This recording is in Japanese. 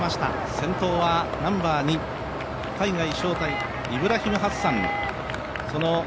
先頭はナンバー２、海外招待イブラヒム・ハッサン。